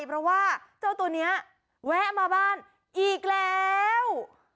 เพราะว่าเจ้าตัวนี้แวะมาบ้านอีกแล้ว